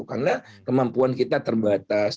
karena kemampuan kita terbatas